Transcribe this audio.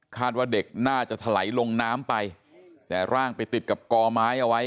ว่าเด็กน่าจะถลายลงน้ำไปแต่ร่างไปติดกับกอไม้เอาไว้